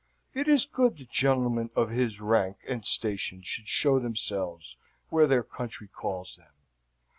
It is good that gentlemen of his rank and station should show themselves where their country calls them.